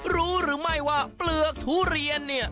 รู้หรือไม่ว่าเปลือกทุเรียนเนี่ย